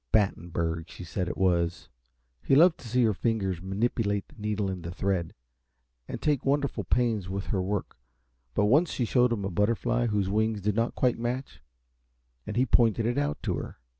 Battenberg, she said it was. He loved to see her fingers manipulate the needle and the thread, and take wonderful pains with her work but once she showed him a butterfly whose wings did not quite match, and he pointed it out to her.